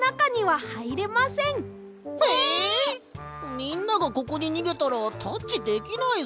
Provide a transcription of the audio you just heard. みんながここににげたらタッチできないぞ。